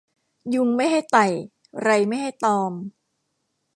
ยุงไม่ให้ไต่ ไรไม่ให้ตอม